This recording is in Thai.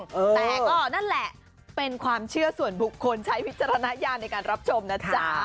แต่ก็นั่นแหละเป็นความเชื่อส่วนบุคคลใช้วิจารณญาณในการรับชมนะจ๊ะ